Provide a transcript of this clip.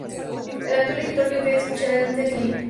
El actual editor-jefe es Michael T. Klein.